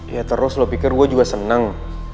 ya terus lo pikir gue juga senang